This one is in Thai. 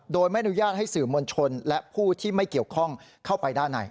โดยไม่อนุญาตให้สื่อมวลชนและผู้ที่ไม่เกี่ยวข้องเข้าไปด้านใน